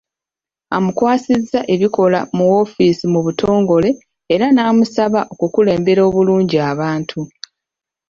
Amukwasizza ebikola mu woofiisi mu butongole era n’amusaba okukulembera obulungi abantu.